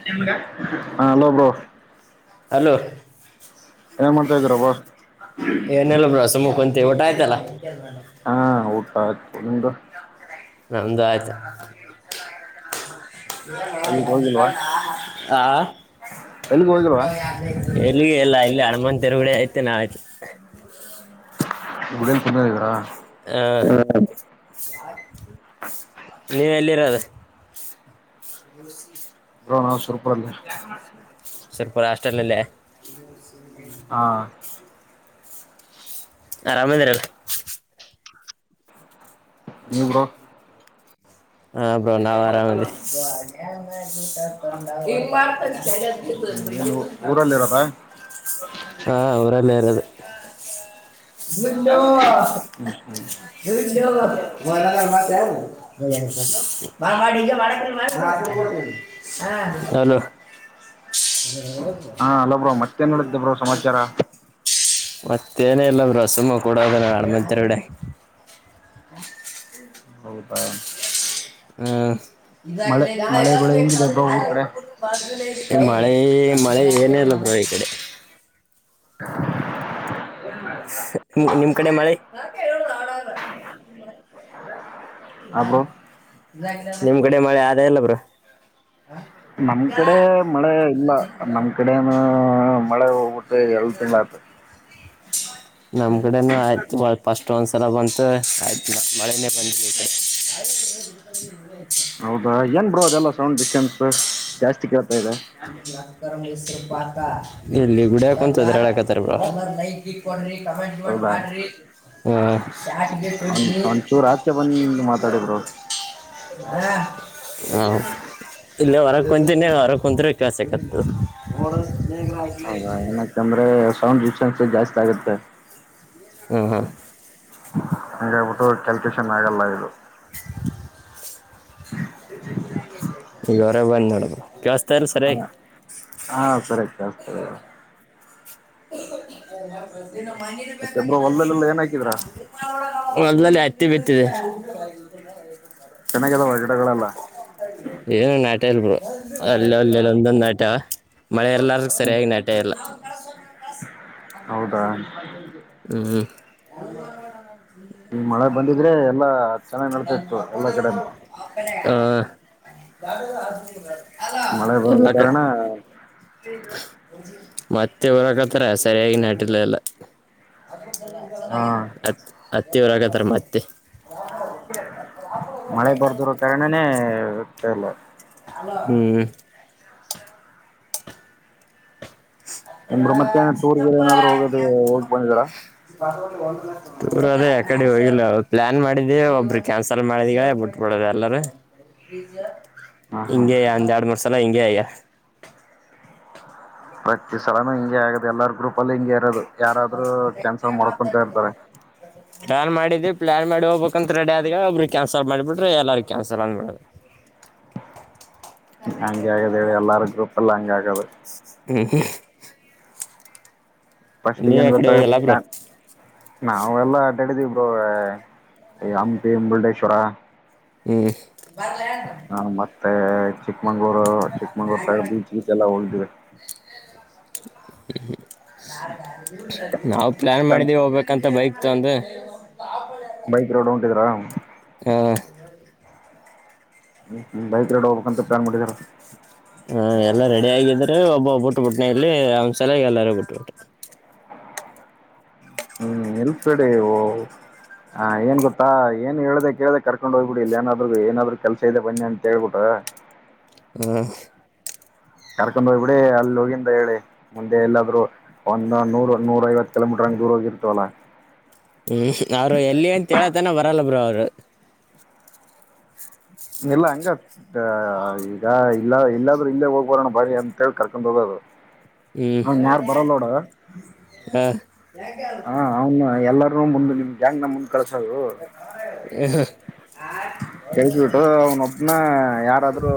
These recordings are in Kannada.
[unintelligible] ಹಾ ಹಲೋ ಬ್ರೋ. ಹಲೋ ಏನ್ ಮಾಡ್ತಾ ಇದಿದ್ರಪ. ಏನೆಲ್ಲ ಬ್ರ ಸುಮಖಂತ ಊಟ ಆಯ್ತಲ್ಲ. ಹಾ ಊಟ ಆಯ್ತು ನಿಮದು. ನಮಂದು ಆಯ್ತು. ನಮ್ಗೆ ಹೋಗಿಲ್ವಾ [unintelligible] ಆ. ಎಲ್ಲಿಗೂ ಹೋಗಿಲ್ವಾ ಎಲ್ಲಿಗೆ ಎಲ್ಲ ಇಲ್ಲಿ ಅಣಮನ್ ತೆರುಗಡೆ ಐತೆ ನಾವಯ್ತು. [unintelligible] ಇದವರಾ ಹ ನೀವು ಎಲ್ಲಿರೋದ. ಹ [inaudible] ಹೋ ನಾವು ಸುರ್ಪುರಲ್ಲ. ಸ್ವಲ್ಪ ಅಷ್ಟ್ರಲ್ಲಲ್ಲೇ ಇ ಸಿ [inaudible] ಹಾ ಆರಾಮೇಂದ್ರ. ನೀವು ಬ್ರೋ. ಹ ಬ್ರೋ ನಾವು ಆರಾಮದೆ. [unintelligible] ಏನು ಊರಲ್ಲಿ ಇರೋದಾ ಹಾ ವರೆಗ್ಲಾರಾನೆ ಅದು. ಇಲ್ಲೋ. ಹ್ಮ್ ಹ್ಮ್ [unintelligible] ಮತ್ತೆ. ಹ [inaudible] ಹಲೋ ಹ್ಮ್ [inaudible] ಹ ಅಲ ಬ್ರೋ ಮತ್ತೇನ್ ಹೇಳಿದ್ದೆ ಬ್ರೋ ಸಮಾಚಾರ. ಮತ್ತೇನ ಇಲ್ಲಬ್ರೋ ಸುಮ್ಮ ಕೂಡೋದ ನ ಅಡ್ಮಂತರಗಡೆ. ಹೌದಾ. ಹ್ಮ್. ಮಳೆ ಮಳೆ ಬೆಳೆ ಹೆಂಗಿದೆ ಬ್ರೋ ಊರ್ ಕಡೆ ಮಳೆ ಮಳೆ ಏನ ಇಲ್ಲ ಬ್ರೋ ಈ ಕಡೆ. [inaudible] ನಿ ನಿಮ್ ಕಡೆ ಮಳೆ. ಹಾ ಬ್ರೋ ನಿಮ್ ಕಡೆ ಮಳೆ ಆದ ಎಲ್ಲ ಬ್ರೋ. ನಮ್ ಕಡೆ ಮಳೆ ಇಲ್ಲ ನಮ್ ಕಡೆನು ಮಳೆ ಹೋಗ್ಬಿಟ್ಟು ಎರಡು ತಿಂಗಳ ಆಯ್ತು. ನಮ್ ಕಡೆನುೂ ಆಯ್ತು ಬಾಳ್ ಪಷ್ಟೊಂದ್ಸಲ ಬಂತ ಆಯ್ತ್ ಮತ್ ಮಳೆನೆ [unintelligible] ಹೌದಾ ಏನ್ ಬ್ರೋ ಅದೆಲ್ಲ ಸೌಂಡ್ ಡಿಸ್ಟೆನ್ಸ್ ಜಾಸ್ತಿ ಕೇಳತಾ ಇದ? ಇಲ್ಲಿ [unintelligible] ಬ್ರೋ ಹೌದಾ [unintelligible] ಈಚೆ ಬಂದ್ ಮಾತಾಡಿ ಬ್ರೋ. [unintelligible] ಇಲ್ಲೆ ಹೊರಗ್ ಕುಂತಿನಿ ಹೊರಗ್ ಕುಂತ್ರೆ ಕೇಳ್ಸಕತ್ತದ. ಹೌದಾ ಏನಕಂದ್ರೆ ಸೌಂಡ್ ಡಿಸ್ಟನ್ಸ್ ಜಾಸ್ತಿ ಆಗುತ್ತೆ. ಹ್ಮ್ ಹ್ಮ್ ಹಂಗೇಳ್ಬಿಟ್ಟು ಕ್ಯಾಲ್ಕ್ಯುಲೇಷನ್ ಆಗಲ್ಲ ಇದು. ಈಗವರೇ ಬಂದ್ ಮಾಡುದ್ರು [unintelligible] ಹಾಂ ಹಾಂ ಸರಿಯಾಗ್ ಕೇಳುಸ್ತಾಯಿದೆ ಇವಾ [unintelligible] ಮತ್ತೆ ಬ್ರೋ ಹೊಲದಲ್ಲೆಲ್ಲ ಏನ್ ಹಾಕಿದ್ರಾ ಹೊಲದಲ್ಲಿ ಹತ್ತಿ ಬಿತ್ತಿದೆ. ಚೆನ್ನಾಗಿದಾವ ಗಿಡಗಳೆಲ್ಲ? ಏನಿಲ್ ನಾಟ್ಯಾವ್ ಬ್ರೋ ಅಲ್ಲಲ್ ಇಲ್ಲೊಂದ್ ನಾಟ್ಯಾವ ಮಳೆ ಇರ್ಲಾರ ಸರಿಯಾಗಿ ನಾಟೇ ಇಲ್ಲ. ಹೌದಾ? ಹ್ಮ್ ಹ್ಮ್ ಮಳೆ ಬಂದಿದ್ರೆ ಎಲ್ಲಾ ಚೆನ್ನಾಗ್ ನಡಿತಾ ಇತ್ತು ಎಲ್ಲಾ ಕಡೆನೂ. ಹಾಂ ಮಳೆ ಬರದ ಕಾರಣ ಮತ್ತೆ ಹೊರಕತ್ತಾರ ಸರಿಯಾಗಿ ನಾಟಿಲ್ಲ ಎಲ್ಲ. ಹ ಅತ್ ಹತ್ತಿ ಹುಳಾಕತ್ತಾರ ಮತ್ತೆ. ಮಳೆ ಬರ್ದಿರೋ ಕಾರಣನೇ ಉತ್ತಾ ಇಲ್ಲ. ಹಲೋ ಹ್ಮ್ [unintelligible] ಏನ್ ಬ್ರೋ ಮತ್ತೆ ಟೂರ್ಗೆ ಚಿಕ್ಕಪ್ಪ [unintelligible] ಏನಾದ್ರು ಹೋಗೋದು ಹೋಗ್ ಬಂದಿದೀರಾ [unintelligible] ಯಾ ಕಡೆ ಹೋಗಿಲ್ಲ ಅವ್ರ್ ಪ್ಲಾನ್ ಮಾಡಿದ್ದೇ ಒಬ್ರು ಕ್ಯಾನ್ಸಲ್ ಮಾಡಿದಗ [unintelligible] ಅಲ್ಲಾ ರೀ. ಹಾ ಹಾ ಹಿಂಗೆ ಒಂದ್ ಎರ್ಡ್ ಮೂರ್ಸಲ ಹಿಂಗೆ ಆಯ್ಯ ಪ್ರತಿ ಸಲಾನು ಹಿಂಗೆ ಆಗದು ಎಲ್ಲಾರ ಗ್ರೂಪಲ್ಲು ಹಿಂಗೆ ಇರೋದು ಯಾರಾದ್ರು ಕ್ಯಾನ್ಸಲ್ ಮಾಡ್ಕೊಂತ ಇರ್ತಾರೆ. ಪ್ಲಾನ್ ಮಾಡಿದ್ದೆ ಪ್ಲಾನ್ ಮಾಡಿ ಹೋಬೇಕಂತ್ ರೆಡಿ ಆದಾಗ ಒಬ್ರು ಕ್ಯಾನ್ಸಲ್ ಮಾಡಿಬಿಟ್ರೆ ಎಲ್ಲಾರು ಕ್ಯಾನ್ಸಲ್ ಅನ್ ಮಾಡುದು. ಹಂಗೆ ಆಗದ ಹೇಳಿ ಎಲ್ಲಾರ ಗ್ರೂಪಲ್ಲೂ ಹಂಗೆ ಆಗದ. ಹ್ಮ್ ಹ್ಮ್ ನೀವ್ ಫಷ್ಟುಗೇನ್ ಆ ಗೊತ್ತ ಕಡೆ ಹೋಗಿಲ್ಲ ಬ್ರೋ ಪ್ಲಾನ್ ನಾವೆಲ್ಲಾ ಅಡ್ಡಾಡಿದಿವ್ ಬ್ರೋ ಈ ಹಂಪಿ ಮುರುಡೇಶ್ವರ ಈ ನಾನು ಮತ್ತೆ ಚಿಕ್ಮಂಗ್ಳೂರು ಚಿಕ್ಕಮಂಗ್ಳೂರು ಸೈಡ್ ಬೀಚ್ ಗಿಚ್ ಎಲ್ಲ ಹೋಗಿದ್ದಿವಿ. ನಾವ್ ಪ್ಲಾನ್ ಮಾಡಿದೀವಿ ಹೋಗ್ಬೇಕಂತ ಬೈಕ್ ತೊಗೊಂಡು ಬೈಕ್ ರೋಡ್ ಹೊಂಟಿದ್ರಾ? ಏ ಹ್ಮ್ ಬೈಕ್ ರೈಡ್ ಹೋಬೇಕಂತ ಪ್ಲಾನ್ ಮಾಡಿದಾರ? ಹಾಂ ಎಲ್ಲಾ ರೆಡಿ ಆಗಿದ್ರೆ ಒಬ್ಬಬ್ಬ ಬಿಟ್ಟಬಿಟ್ನ ಇಲ್ಲಿ ಅವ್ನ್ ಸಲಯಾಗ್ ಎಲ್ಲಾರೂ ಬಿಟ್ಬಿಟ್ರು. ಹ್ಮ್ ನಿಲ್ಸ್ ಬೇಡಿ ಓ ಹಾಂ ಏನ್ ಗೊತ್ತ ಏನ್ ಹೇಳ್ದೆ ಕೇಳ್ದೆ ಕರ್ಕೊಂಡ್ ಹೋಗ್ಬಿಡಿ ಇಲ್ಲಿ ಏನಾದ್ರು ಏನಾದ್ರು ಕೆಲಸ ಇದೆ ಬನ್ನಿ ಅಂತ ಹೇಳ್ಬಿಟ್ಟ. ಹ್ಹ್ ಹಾರ್ಕೊಂಡು ಬಿಡು ಅಲ್ಲ್ ಎಲ್ಲಿಂದ ಹೊಡೋಗು. ಮುಂದೆ ಎಲ್ಲಾದ್ರೂ ಒಂದು ನೂರು ನೂರು ಐವತ್ತು ಕಿಲೋಮೀಟರಂಗ್ ದೂರ ಹೋಗಿರ್ತವಲ್ಲಾ. ಕಿಶ್ ಯಾರು ಅವ್ರು ಎಲ್ಲಿ ಅಂತ ಹೇಳತಾನೆ ಬರಲ್ಲ ಬ್ರೋ ಅವ್ರು. ಇಲ್ಲ ಹಂಗತ್ ದ ಇದ ಈಗ ಇಲ್ಲ ಇಲ್ಲಾದ್ರೂ ಇಲ್ಲೇ ಹೋಗ್ಬೋರಣ ಬಾರಿ ಅಂತೇಳಿ ಕರ್ಕೊಂಡು ಹೋಗೋದು. ಹ್ಮ್ ಅವ್ನ್ ಗೋ ಯಾರು ಬ್ಯಾಕ್ ಬರಲ್ಲ ನೋಡು ಹಾ ಓಲ್ಡನ್. ಹಾ ಅವ್ನು ಎಲ್ಲರೂ ಮುಂದು ನಿಮ್ಗೆ ಗ್ಯಾಂಗ್ ನ ಮುಂದ್ ಕಳ್ಸೋದು. ಹ [inaudible] ಹೇಳ್ಬಿಟ್ಟು ಅವನೊಬ್ನ ಯಾರಾದ್ರೂ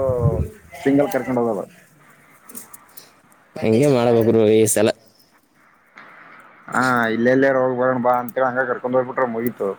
ಸಿಂಗಲ್ ಕರ್ಕೊಂಡ್ ಹೋಗದು. ಹೆಂಗೆ ಮಾಡಿದ್ರೂ ಸಾಲ. ಹಾ ಇಲ್ಲೆಲ್ಲರ ಹೋಗ್ಬರಣ ಬಾ ಅಂತ ಕರ್ಕೊಂಡ್ ಹೋಗ್ಬಿಟ್ರೆ ಮುಗೀತು.